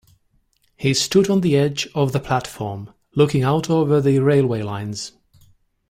He stood on the edge of the platform, looking out over the railway lines.